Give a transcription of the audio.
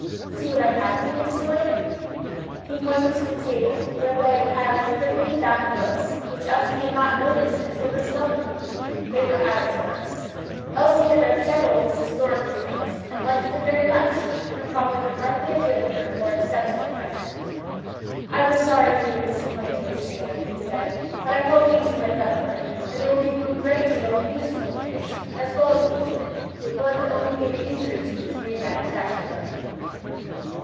See what I have for you this morning." He pointed to the table, where lay a pile of prettily bound books, which Elsie had not noticed until this moment. They were Abbot's works. Elsie had read several of his historical tales, and liked them very much; and her father could hardly have given a more acceptable present. "I was sorry for your disappointment yesterday," he said, "but I hope these will make up for it, and they will give you a great deal of useful information, as well as amusement; while it could only be an injury to you to read that trashy book."